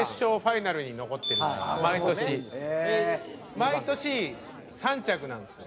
毎年３着なんですよ。